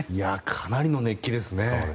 かなりの熱気ですね。